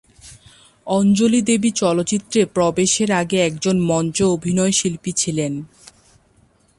অঞ্জলি দেবী চলচ্চিত্রে প্রবেশের আগে একজন মঞ্চ অভিনয়শিল্পী ছিলেন।